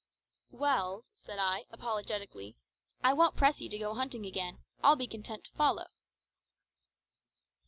"Well," said I, apologetically, "I won't press you to go hunting again; I'll be content to follow."